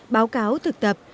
báo cáo thực tập